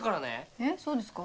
えっそうですか？